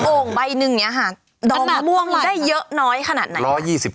่งใบหนึ่งเนี่ยค่ะดองมะม่วงได้เยอะน้อยขนาดไหน